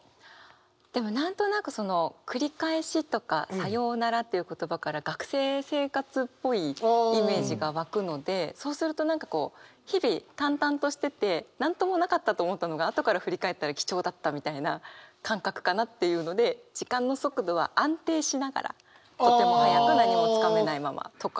でも何となく「繰り返し」とか「さようなら」という言葉から学生生活っぽいイメージが湧くのでそうすると何かこう日々淡々としてて何ともなかったと思ったのが後から振り返ったら貴重だったみたいな感覚かなっていうので「時間の速度は安定しながらとても早くなにも掴めないまま」とかかなって思いました。